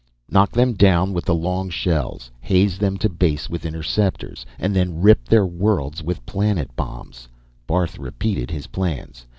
"Knock them down with the long shells, haze them to base with interceptors, and then rip their worlds with planet bombs," Barth repeated his plans.